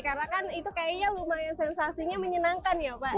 karena kan itu kayaknya lumayan sensasinya menyenangkan ya pak